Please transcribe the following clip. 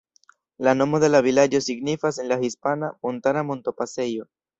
La nomo de la vilaĝo signifas en la hispana "Montara Montopasejo".